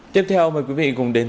tiếp theo mời quý vị cùng đến